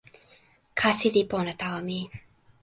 kasi li pona tawa mi.